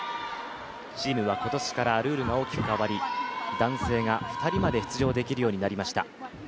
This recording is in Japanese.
チームは今年からルールが大きく変わり、男性が２人まで出場できるようになりました。